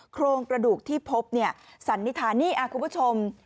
โครงกระดูกที่พบเนี่ยสันนิษฐานนี่คุณผู้ชม